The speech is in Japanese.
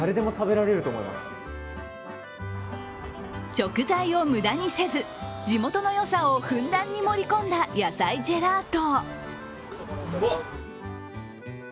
食材を無駄にせず、地元のよさをふんだんに盛り込んだ野菜ジェラート。